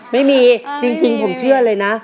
ไม่มีจริงผมเชื่อเลยนะ